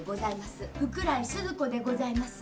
福来スズ子でございます。